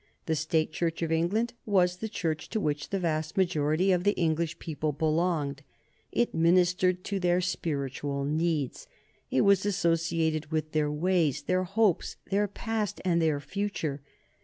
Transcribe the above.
The State Church of England was the Church to which the vast majority of the English people belonged. It ministered to their spiritual needs, it was associated with their ways, their hopes, their past, and their future.